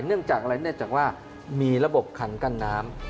เนื่องจากอะไรเนื่องจากว่ามีระบบคันกั้นน้ำ